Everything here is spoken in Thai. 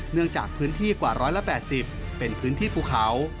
เนื่องจากพื้นที่กว่า๑๘๐เป็นพื้นที่ภูเขา